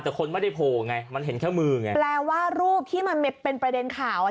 แต่คนไม่ได้โผล่ไงมันเห็นแค่มือไงแปลว่ารูปที่มันเป็นประเด็นข่าวอ่ะ